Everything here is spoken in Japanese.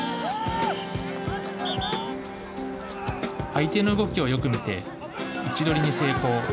相手の動きをよく見て位置取りに成功。